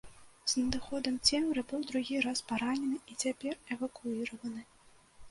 З надыходам цемры быў другі раз паранены і цяпер эвакуіраваны.